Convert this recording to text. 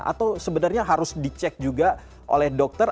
atau sebenarnya harus dicek juga oleh dokter